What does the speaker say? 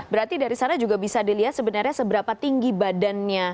berarti dari sana juga bisa dilihat sebenarnya seberapa tinggi badannya